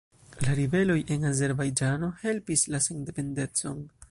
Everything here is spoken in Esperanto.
La ribeloj en Azerbajĝano helpis la sendependecon.